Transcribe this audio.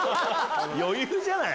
余裕じゃない！